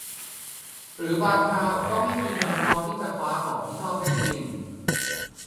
หรือบางคราวก็ไม่มีเงินพอที่จะคว้าของที่ชอบได้จริง